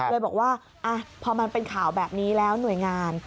เลยบอกว่าพอมันเป็นข่าวแบบนี้แล้วหน่วยงาน